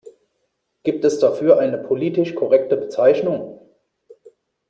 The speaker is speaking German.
Gibt es dafür eine politisch korrekte Bezeichnung?